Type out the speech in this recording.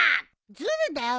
ずるだよ